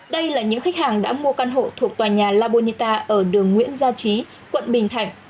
đây là những khách hàng đã mua căn hộ thuộc tòa nhà labonita ở đường nguyễn gia trí quận bình thạnh